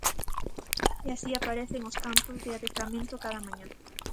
E así aparecen os campos de adestramento cada mañá.